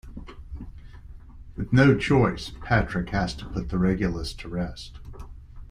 With no choice, Patrick has to put the Regulus to rest.